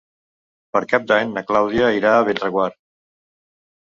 Per Cap d'Any na Clàudia irà a Bellreguard.